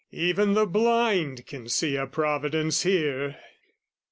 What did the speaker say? Even the blind can see a providence here.